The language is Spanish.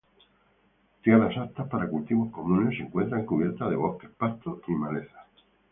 Tierras aptas para cultivos comunes se encuentran cubiertas de bosques, pastos y malezas.